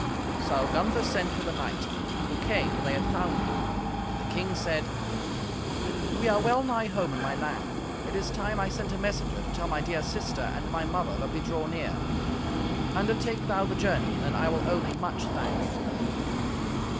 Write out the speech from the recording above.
So Gunther sent for the knight, who came when they had found him. And the king said, "We are well nigh home in my land. It is time I sent a messenger to tell my dear sister and my mother that we draw near. Undertake thou the journey, and I will owe thee much thank."